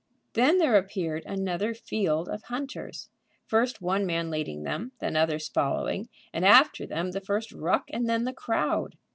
Then there appeared another field of hunters, first one man leading them, then others following, and after them the first ruck and then the crowd.